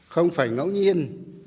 không phải ngẫu nhiên